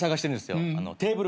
テーブル。